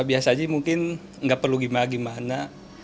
biasa saja mungkin tidak perlu gimana gimana